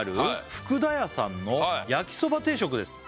「ふくだ屋さんの焼きそば定食です」